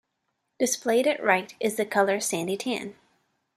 Displayed at right is the color Sandy tan.